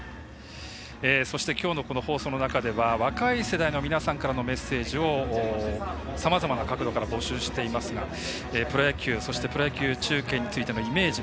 そして、きょうの放送の中では若い世代の皆さんからのメッセージをさまざまな角度から募集していますがプロ野球、そしてプロ野球中継についてのイメージ